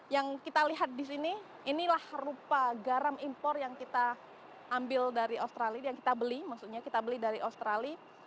yang kita lihat di sini inilah rupa garam impor yang kita ambil dari australia yang kita beli maksudnya kita beli dari australia